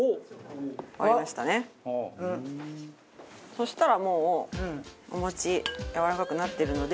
そしたらもうお餅やわらかくなってるので。